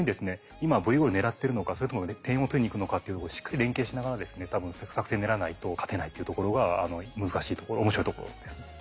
今Ｖゴール狙ってるのかそれとも点を取りにいくのかっていうところをしっかり連携しながらですね多分作戦練らないと勝てないっていうところが難しいところ面白いところですね。